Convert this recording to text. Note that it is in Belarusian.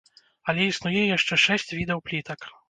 Але існуе яшчэ шэсць відаў плітак.